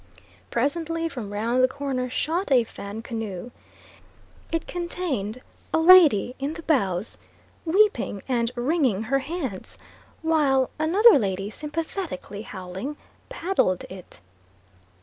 Presently from round the corner shot a Fan canoe. It contained a lady in the bows, weeping and wringing her hands, while another lady sympathetically howling, paddled it.